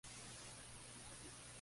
PolyGram Latino.